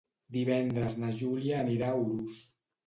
Divendres na Júlia anirà a Urús.